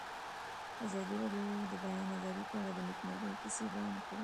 ازادي راډیو د د بیان آزادي په اړه د نېکمرغۍ کیسې بیان کړې.